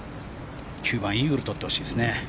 ９番、イーグルをとってほしいですね。